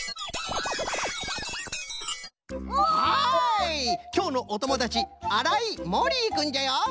はいきょうのおともだちあらいもりいくんじゃよ！